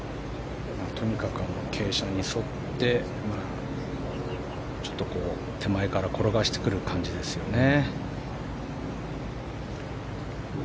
とにかく傾斜に沿ってちょっと手前から転がしてくる感じですよね。